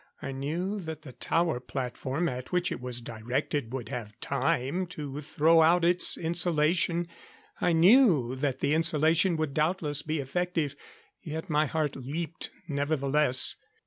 I knew that the tower platform at which it was directed would have time to throw out its insulation; I knew that the insulation would doubtless be effective yet my heart leaped nevertheless.